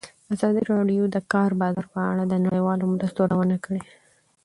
ازادي راډیو د د کار بازار په اړه د نړیوالو مرستو ارزونه کړې.